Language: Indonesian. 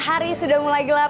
hari sudah mulai gelap